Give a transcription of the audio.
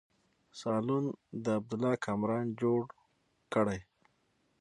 سالون د عبدالله کامران جوړ کړی.